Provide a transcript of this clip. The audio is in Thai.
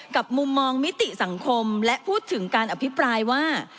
มุมมองมิติสังคมและพูดถึงการอภิปรายว่า